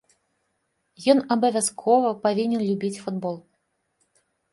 Ён абавязкова павінен любіць футбол.